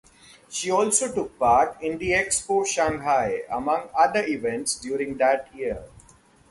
She also took part in the Expo Shanghai, among other events during that year.